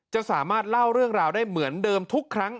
จะสามารถเล่าเรื่องราวได้เหมือนเดิมทุกครั้ง